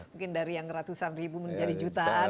mungkin dari yang ratusan ribu menjadi jutaan